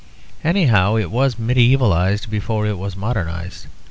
Anyhow, it was medievalised before it was modernised.